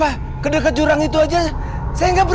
aku akan menganggap